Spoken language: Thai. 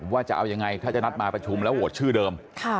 ว่าจะเอายังไงถ้าจะนัดมาประชุมแล้วโหวตชื่อเดิม